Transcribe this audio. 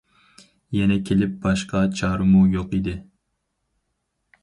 يەنە كېلىپ باشقا چارىمۇ يوق ئىدى.